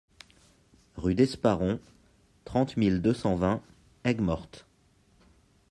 Rue d'Esparron, trente mille deux cent vingt Aigues-Mortes